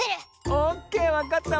オッケーわかったわ。